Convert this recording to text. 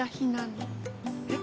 えっ？